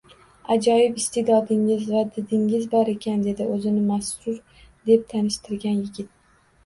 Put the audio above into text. Ajoyib iste`dodingiz va didingiz bor ekan, dedi o`zini Masrur deb tanishtirgan yigit